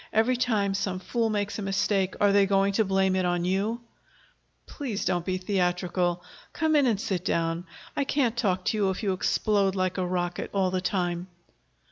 Every time some fool makes a mistake, are they going to blame it on you?" "Please don't be theatrical. Come in and sit down. I can't talk to you if you explode like a rocket all the time."